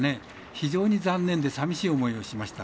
非常に残念でさみしい思いをしました。